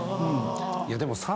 いやでも。